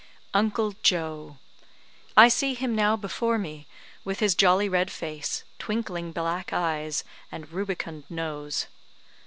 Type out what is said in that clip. Uncle Joe! I see him now before me, with his jolly red face, twinkling black eyes, and rubicund nose.